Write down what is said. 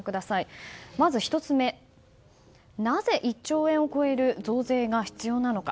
１つ目、なぜ１兆円を超える増税が必要なのか。